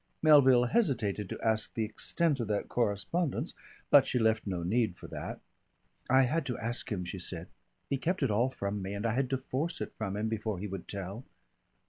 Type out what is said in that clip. Melville hesitated to ask the extent of that correspondence, but she left no need for that. "I had to ask him," she said. "He kept it all from me, and I had to force it from him before he would tell."